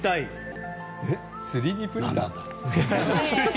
３Ｄプリンター？